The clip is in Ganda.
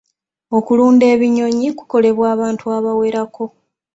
Okulunda ebinyonyi kukolebwa abantu abawerako.